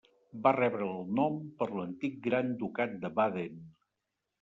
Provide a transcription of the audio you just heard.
Va rebre el nom per l'antic Gran Ducat de Baden.